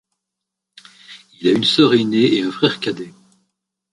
Il a une soeur aînée et un frère cadet.